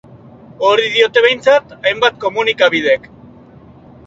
Hori diote behintzat hainbat komunikabidek.